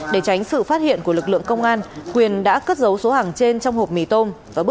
để tránh sự phát hiện của lực lượng công an quyền đã cất dấu số hàng trên trong hộp mì tôm